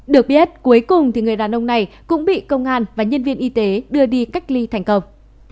được biết cuối cùng thì người đàn ông này cũng bị công an và nhân viên y tế đưa đi cách ly thành công